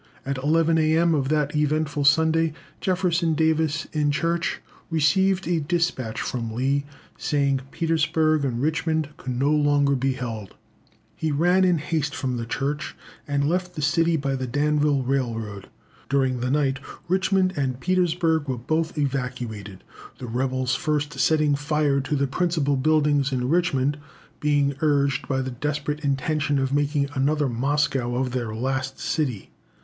At eleven a.m. of that eventful Sunday, Jefferson Davis, in church, received a despatch from Lee, saying Petersburg and Richmond could no longer be held. He ran in haste from church, and left the city by the Danville railroad. During the night, Richmond and Petersburg were both evacuated, the rebels first setting fire to the principal buildings in Richmond, being urged by the desperate intention of making another Moscow of their last city.